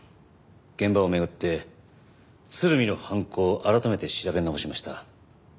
現場を巡って鶴見の犯行を改めて調べ直しました。